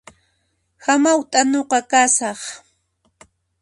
Hamawt'a nuqa kasaq